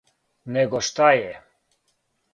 Него што је?